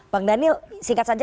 bang daniel singkat saja